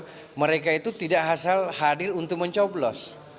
bahwa mereka itu tidak hasil hadir untuk mencoblos